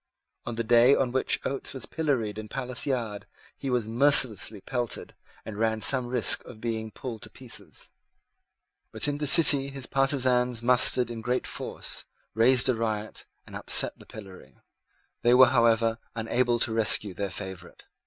On the day on which Oates was pilloried in Palace Yard he was mercilessly pelted and ran some risk of being pulled in pieces. But in the City his partisans mustered in great force, raised a riot, and upset the pillory. They were, however, unable to rescue their favourite.